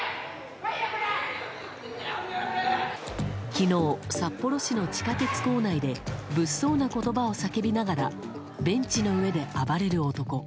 昨日、札幌市内の地下鉄構内で物騒な言葉を叫びながらベンチの上で暴れる男。